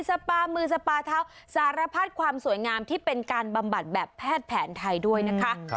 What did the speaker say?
สปามือสปาเท้าสารพัดความสวยงามที่เป็นการบำบัดแบบแพทย์แผนไทยด้วยนะคะ